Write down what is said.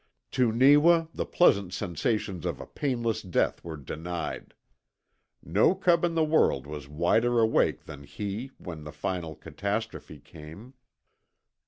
To Neewa the pleasant sensations of a painless death were denied. No cub in the world was wider awake than he when the final catastrophe came.